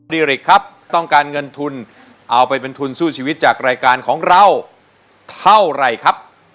ริกครับต้องการเงินทุนเอาไปเป็นทุนสู้ชีวิตจากรายการของเราเท่าไหร่ครับ